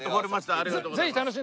ありがとうございます。